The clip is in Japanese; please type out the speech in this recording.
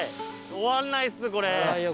終わんないっすこれ。